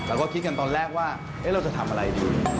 เราก็คิดกันตอนแรกว่าเราจะทำอะไรดี